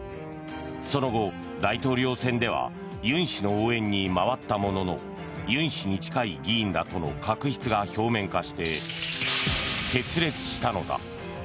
その後、大統領選では尹氏の応援に回ったものの尹氏に近い議員らとの確執が表面化して決裂したのだ。